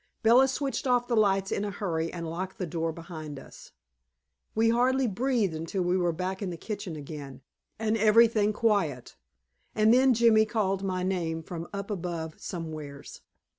Bella switched off the lights in a hurry and locked the door behind us. We hardly breathed until we were back in the kitchen again, and everything quiet. And then Jimmy called my name from up above somewheres.